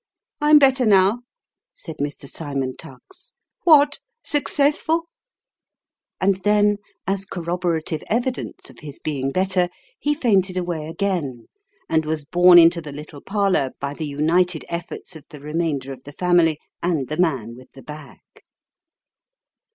" I'm better now," said Mr. Simon Tuggs. " What ? successful !" And then, as corroborative evidence of his being better, he fainted away again, and was borne into the little parlour by the united efforts of the remainder of the family, and the man with the bag.